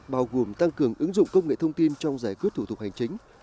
bao gồm tăng cường ứng dụng công nghệ thông tin trong giải quyết thủ tục hành chính